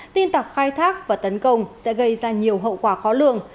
tin tặc khai thác và tấn công sẽ gây ra nhiều hậu quả khó lường